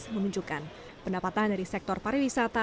menunjukkan pendapatan dari sektor pariwisata